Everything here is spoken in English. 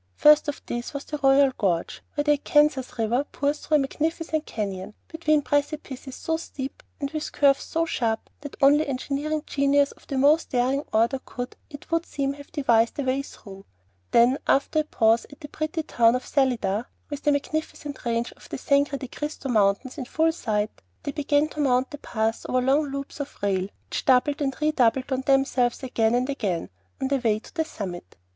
First of these was the Royal Gorge, where the Arkansas River pours through a magnificent canyon, between precipices so steep and with curves so sharp that only engineering genius of the most daring order could, it would seem, have devised a way through. Then, after a pause at the pretty town of Salida, with the magnificent range of the Sangre de Cristo Mountains in full sight, they began to mount the pass over long loops of rail, which doubled and re doubled on themselves again and again on their way to the summit.